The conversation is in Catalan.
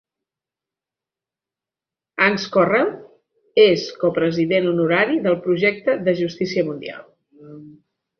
Hans Corell és copresident honorari del projecte de justícia mundial.